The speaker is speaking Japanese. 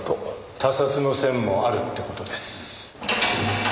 他殺の線もあるって事です。